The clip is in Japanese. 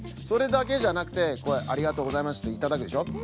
それだけじゃなくて「ありがとうございます」っていただくでしょ？